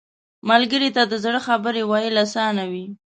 ملګری ته د زړه خبرې ویل اسانه وي